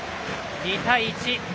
２対１。